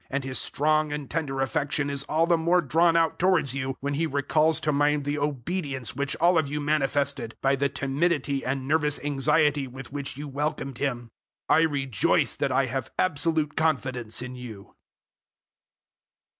007:015 And his strong and tender affection is all the more drawn out towards you when he recalls to mind the obedience which all of you manifested by the timidity and nervous anxiety with which you welcomed him. 007:016 I rejoice that I have absolute confidence in you.